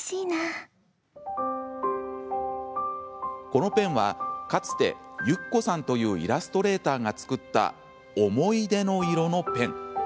このペンは、かつてゆっこさんというイラストレーターが作った思い出の色のペン。